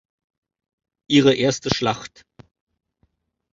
Ihre erste Schlacht.